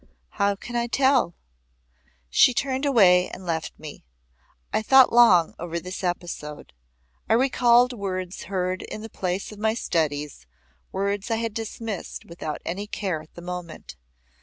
How can I tell?" She turned away and left me. I thought long over this episode. I recalled words heard in the place of my studies words I had dismissed without any care at the moment.